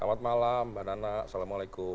selamat malam mbak nana assalamualaikum